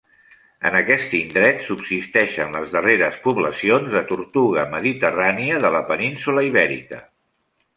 En aquest indret subsisteixen les darreres poblacions de tortuga mediterrània de la península Ibèrica.